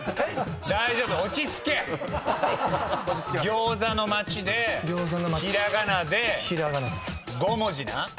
餃子のまちでひらがなで５文字な。